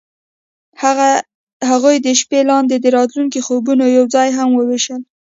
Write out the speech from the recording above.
هغوی د شپه لاندې د راتلونکي خوبونه یوځای هم وویشل.